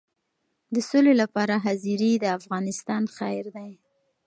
د سولې لپاره حاضري د افغانستان خیر دی.